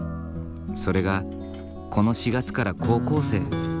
それがこの４月から高校生。